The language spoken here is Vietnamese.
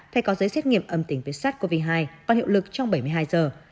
phải có giấy xét nghiệm âm tính với sars cov hai còn hiệu lực trong bảy mươi hai giờ